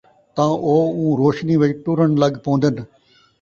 تاں او اُوں روشنی وِچ ٹُرن لڳ پوندن